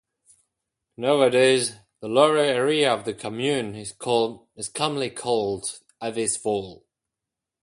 Nowadays the lower area of the commune is commonly called Athis-Val.